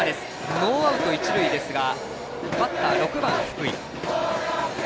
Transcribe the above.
ノーアウト、一塁ですがバッター、６番、福井。